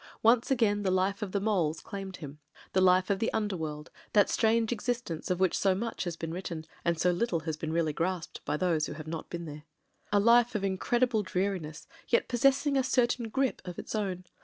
Once again the life of the moles claimed him — ^the life of the underworld : that strange existence of which so much has been written, and so little has been really grasped by those who have not been there. A life of incredible dreariness— yet possessing a certain "grip" of its own.